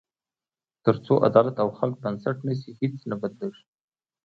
تر څو عدالت او خلک بنسټ نه شي، هیڅ نه بدلېږي.